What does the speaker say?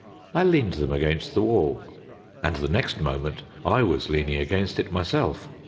I leaned them against the wall, and the next moment I was leaning against it myself.